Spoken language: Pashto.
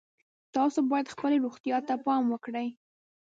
تاسو باید خپلې روغتیا ته پام وکړئ